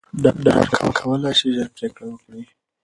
ډاکټران کولی شي ژر پریکړه وکړي.